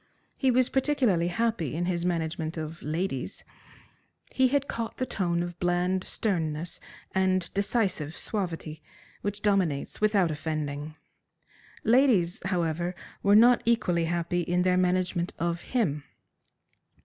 He was particularly happy in his management of ladies. He had caught the tone of bland sternness and decisive suavity which dominates without offending. Ladies, however, were not equally happy in their management of him.